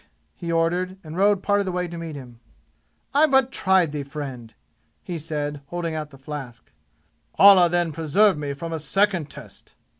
he ordered, and rode part of the way to meet him. "I but tried thee, friend!" he said, holding out the flask. "Allah then preserve me from a second test!"